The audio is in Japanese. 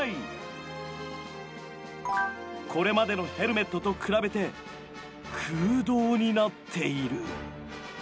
これまでのヘルメットと比べて空洞になっている。